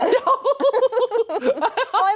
เดี๋ยว